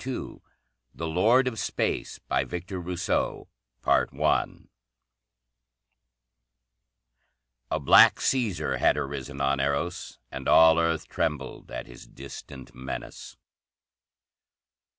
"] The Lord of Space By Victor Rousseau [Sidenote: A Black Caesar had arisen on Eros and all Earth trembled at his distant menace.